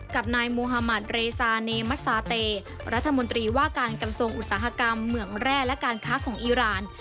กับนายมุฮามัติเรซาเนมัสซาเตรัฐมนตรีว่าการกระทรวงอุตสาหกรรมเหมืองแร่และการค้าของอีราน